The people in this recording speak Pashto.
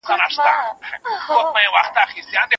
که ځوانان تاریخ ونه لولي نو په ورانه لار به ځي.